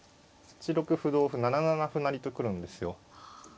８六歩同歩７七歩成と来るんですよ。